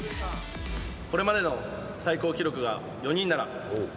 これまでの最高記録が４人なら。